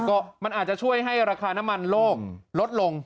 ก็มันอาจจะช่วยให้ราคาน้ำมันโลกลดลง